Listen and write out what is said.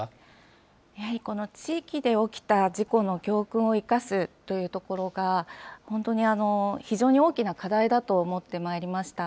やはりこの地域で起きた事故の教訓を生かすというところが、本当に非常に大きな課題だと思ってまいりました。